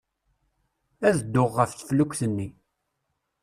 Ad dduɣ ɣef teflukt-nni.